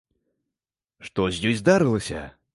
Што з ёй здарылася?